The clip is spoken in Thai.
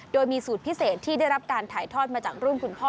โดยมีสูตรพิเศษที่ได้รับการถ่ายทอดมาจากรุ่นคุณพ่อ